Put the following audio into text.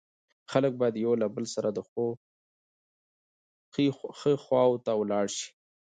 خلک بايد يو له له سره د ښو خوا ته ولاړ سي